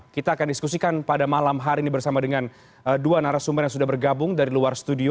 kita akan diskusikan pada malam hari ini bersama dengan dua narasumber yang sudah bergabung dari luar studio